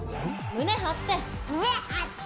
胸張って！